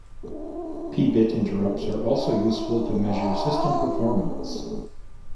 P-bit interrupts are also useful to measure system performance.